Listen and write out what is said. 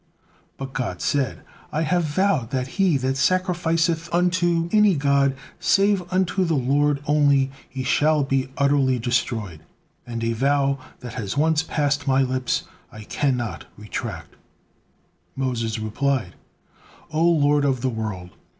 But God said: "I have vowed that 'He that sacrificeth unto any god, save unto the Lord only, he shall be utterly destroyed,' and a vow that has once passe My lips, I can not retract." Moses replied: "O Lord of the world!